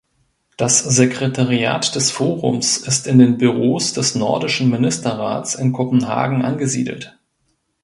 Das Sekretariat des Forums ist in den Büros des Nordischen Ministerrats in Kopenhagen angesiedelt.